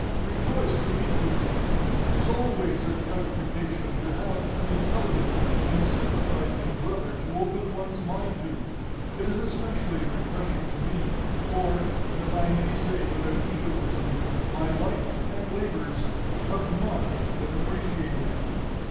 "Rejoiced to meet with you! It is always a gratification to have an intelligent and sympathizing brother to open one's mind to; it is especially refreshing to me, for, as I may say without egotism, my life and labors have not been appreciated."